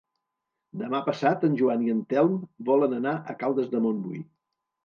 Demà passat en Joan i en Telm volen anar a Caldes de Montbui.